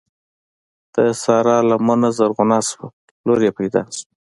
د سارا لمنه زرغونه شوه؛ لور يې پیدا شوه.